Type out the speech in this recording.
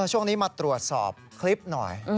ช่วงนี้มาตรวจสอบคลิปหน่อย